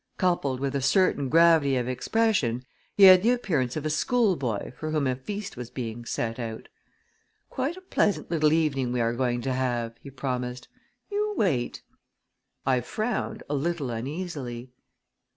Coupled with a certain gravity of expression he had the appearance of a schoolboy for whom a feast was being set out. "Quite a pleasant little evening we are going to have!" he promised. "You wait!" I frowned a little uneasily.